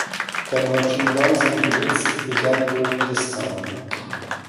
A merchandising blitz began during this time.